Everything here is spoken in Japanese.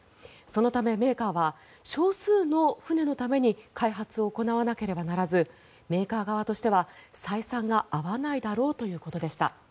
そのためメーカーは少数の船のために開発を行わなければならずメーカー側としては採算が合わないだろうということでした。